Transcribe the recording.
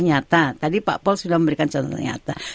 nyata tadi pak pol sudah memberikan contohnya